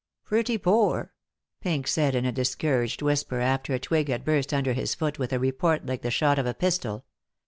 "Pretty poor," Pink said in a discouraged whisper, after a twig had burst under his foot with a report like the shot of a pistol.